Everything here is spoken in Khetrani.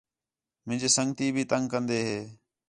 مینجے سنڳتی بھی تنگ کندے ہے